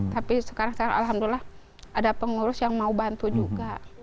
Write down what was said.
tapi sekarang alhamdulillah ada pengurus yang mau bantu juga